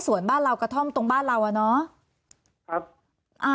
ส่วนบ้านเรากระท่อมตรงบ้านเราอะเนาะ